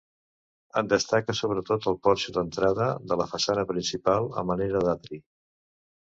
En destaca sobretot el porxo d'entrada de la façana principal, a manera d'atri.